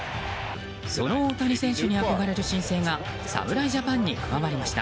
その大谷選手に憧れる新星が侍ジャパンに加わりました。